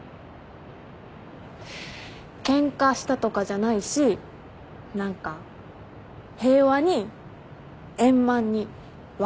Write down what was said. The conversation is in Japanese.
ケンカしたとかじゃないし何か平和に円満に別れたから。